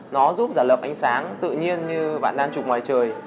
nó giúp giả lập ánh sáng tự nhiên như bạn lan chụp ngoài trời